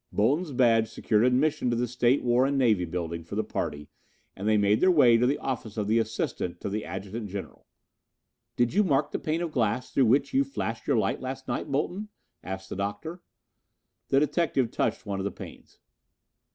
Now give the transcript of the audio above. Bolton's badge secured admission to the State, War and Navy Building for the party and they made their way to the office of the Assistant to the Adjutant General. "Did you mark the pane of glass through which you flashed your light last night, Bolton?" asked the Doctor. The detective touched one of the panes.